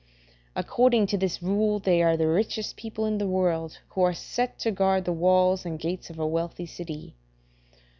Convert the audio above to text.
According to this rule, they are the richest people in the world who are set to guard the walls and gates of a wealthy city.